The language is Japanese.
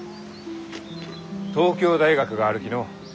東京大学があるきのう。